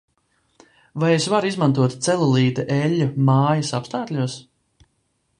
Vai es varu izmantot celulīta eļļu mājas apstākļos?